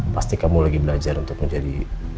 pasti kamu lagi belajar untuk menjadi